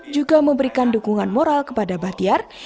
juga memberikan dukungan moral kepada bahtiar